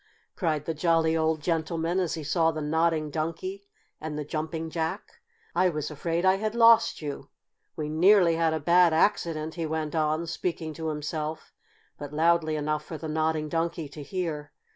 cried the jolly old gentleman as he saw the Nodding Donkey and the Jumping Jack. "I was afraid I had lost you. We nearly had a bad accident," he went on, speaking to himself, but loudly enough for the Nodding Donkey to hear.